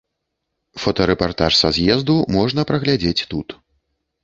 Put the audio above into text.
Фотарэпартаж са з'езду можна праглядзець тут.